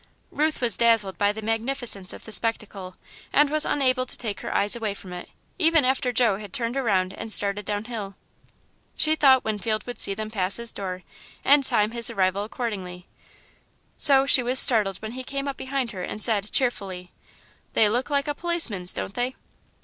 Ruth was dazzled by the magnificence of the spectacle and was unable to take her eyes away from it, even after Joe had turned around and started down hill. She thought Winfield would see them pass his door and time his arrival accordingly, so she was startled when he came up behind her and said, cheerfully: "They look like a policeman's, don't they?"